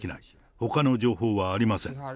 ほかの情報はありません。